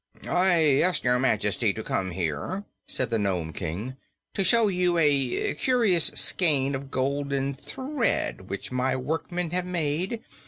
"I asked Your Majesty to come here," said the Nome King, "to show you a curious skein of golden thread which my workmen have made.